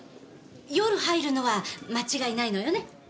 夜入るのは間違いないのよね？